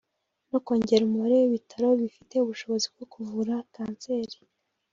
no kongera umubare w’ibitaro bifite ubushobozi bwo kuvura Kanseri